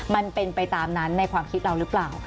มันเป็นไปตามนั้นในความคิดเราหรือเปล่า